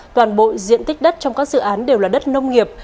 toàn bộ diện tích đất trong các dự án đều là đất nông nghiệp